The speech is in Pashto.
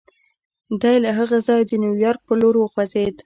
دی له هغه ځايه د نيويارک پر لور وخوځېد.